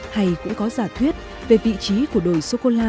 hay cũng có giả thuyết về vị trí của đồi sô cô la